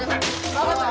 分かった。